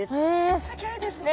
すギョいですね。